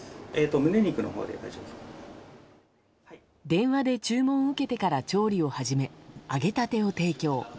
電話で注文を受けてから調理を始め揚げたてを提供。